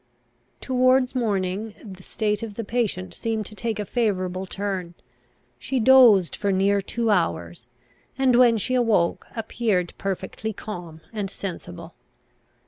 Towards morning the state of the patient seemed to take a favourable turn. She dozed for near two hours, and, when she awoke, appeared perfectly calm and sensible.